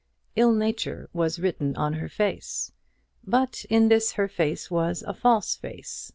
Ill nature was written on her face, but in this her face was a false face.